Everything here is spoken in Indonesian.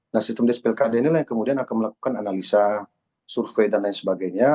nah situng des pilkada inilah yang kemudian akan melakukan analisa survei dan lain sebagainya